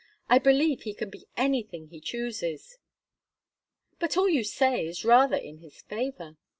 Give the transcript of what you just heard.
I believe he can be anything he chooses." "But all you say is rather in his favour."